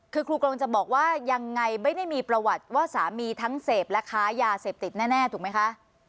คือครูกรงจะบอกว่ายังไงไม่ได้มีประวัติว่าสามีทั้งเสพและค้ายาเสพติดแน่ถูกไหมคะ